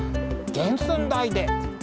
原寸大で！